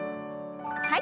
はい。